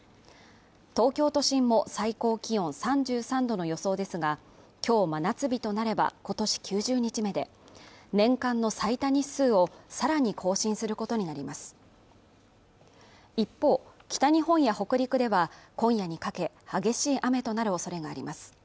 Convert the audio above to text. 東京都心も最高気温３３度の予想ですが今日真夏日となれば今年９０日目で年間の最多日数をさらに更新することになります一方北日本や北陸では今夜にかけ激しい雨となるおそれがあります